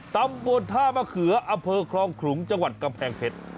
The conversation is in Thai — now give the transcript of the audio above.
ตำบลท่ามะเขืออำเภอคลองขลุงจังหวัดกำแพงเพชร